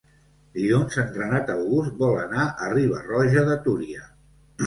Dilluns en Renat August vol anar a Riba-roja de Túria.